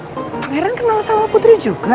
pak heran kenal sama putri juga